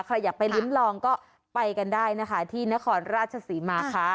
ใครอยากไปลิ้มลองก็ไปกันได้นะคะที่นครราชศรีมาค่ะ